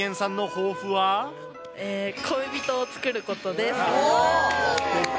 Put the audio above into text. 恋人を作ることです。